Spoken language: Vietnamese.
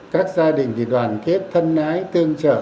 các gia đình thì đoàn kết thân ái tương trợ